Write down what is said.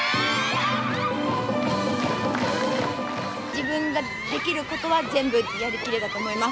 自分ができることは全部やりきれたと思います。